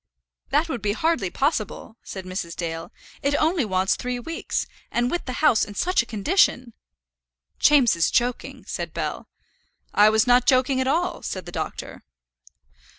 "That would be hardly possible," said Mrs. Dale. "It only wants three weeks; and with the house in such a condition!" "James is joking," said Bell. "I was not joking at all," said the doctor.